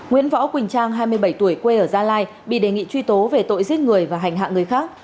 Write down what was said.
nguyễn võ quỳnh trang hai mươi bảy tuổi quê ở gia lai bị đề nghị truy tố về tội giết người và hành hạ người khác